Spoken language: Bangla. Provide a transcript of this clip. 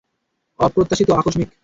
অপ্রত্যাশিত, আকস্মিক।